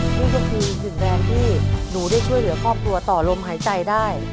นี่ก็คืออีกหนึ่งแรงที่หนูได้ช่วยเหลือครอบครัวต่อลมหายใจได้